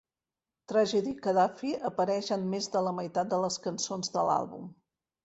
Tragedy Khadafi apareix en més de la meitat de les cançons de l'àlbum.